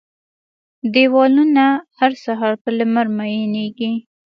دیوالونه، هر سهار په لمر میینیږې